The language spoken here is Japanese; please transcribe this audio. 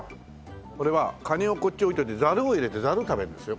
これはカニをこっちに置いておいてザルを入れてザル食べるんですよ